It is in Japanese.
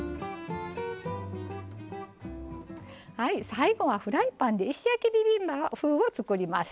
最後はフライパンで石焼きビビンバ風を作ります。